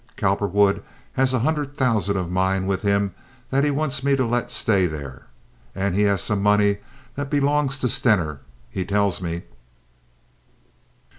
Cowperwood has a hundred thousand of mine with him that he wants me to let stay there, and he has some money that belongs to Stener, he tells me."